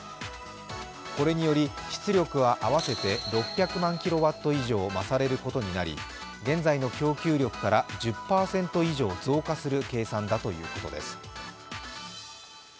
これにより出力は合わせて６００万キロワット以上増されることになり現在の供給力から１０％以上増加する計算だということです。